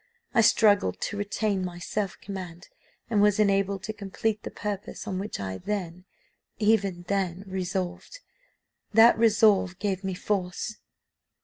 I struggled to retain my self command, and was enabled to complete the purpose on which I then even then, resolved. That resolve gave me force.